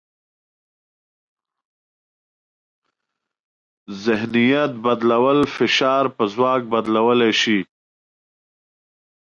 ذهنیت بدلول فشار په ځواک بدلولی شي.